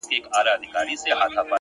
اوس به ورته ډېر ؛ډېر انـتـظـار كوم؛